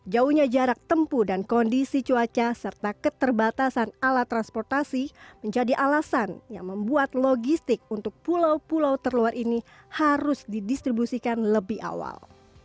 jauhnya jarak tempuh dan kondisi cuaca serta keterbatasan alat transportasi menjadi alasan yang membuat logistik untuk pulau pulau terluar ini harus didistribusikan lebih awal